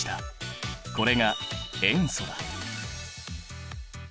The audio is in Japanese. これが塩素だ。